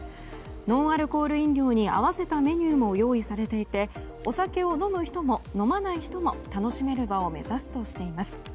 ノンアルコール飲料に合わせたメニューも用意されていてお酒を飲む人も飲まない人も楽しめる場を目指すとしています。